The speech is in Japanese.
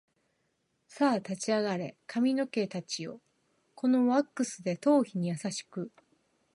さあ立ち上がれ髪の毛たちよ、このワックスで頭皮に優しく